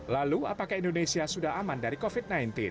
lalu apakah indonesia sudah aman dari covid sembilan belas